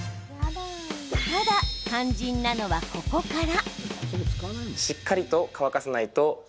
ただ肝心なのは、ここから。